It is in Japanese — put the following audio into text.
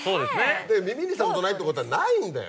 耳にしたことないってことはないんだよ。